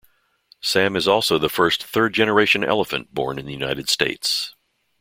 Sam is also the first third-generation elephant born in the United States.